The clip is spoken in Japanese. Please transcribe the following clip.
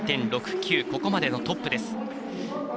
ここまでのトップです。